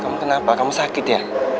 kamu kenapa kamu sakit ya